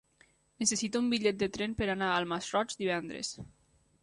Necessito un bitllet de tren per anar al Masroig divendres.